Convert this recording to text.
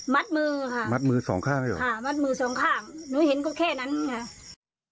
มือค่ะมัดมือสองข้างเลยเหรอค่ะมัดมือสองข้างหนูเห็นก็แค่นั้นค่ะ